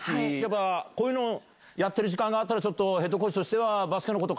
こういうのやってる時間あったらヘッドコーチとしては。